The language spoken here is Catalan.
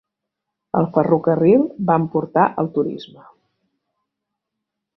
El ferrocarril van portar el turisme.